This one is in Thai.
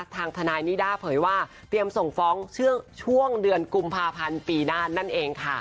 ทางทนายนิด้าเผยว่าเตรียมส่งฟ้องช่วงเดือนกุมภาพันธ์ปีหน้านั่นเองค่ะ